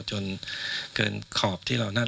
จนเกินขอบที่เรานั่น